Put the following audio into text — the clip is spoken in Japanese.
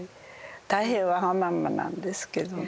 大変わがままなんですけどね。